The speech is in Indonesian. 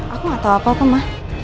aku gak tau apa apa ma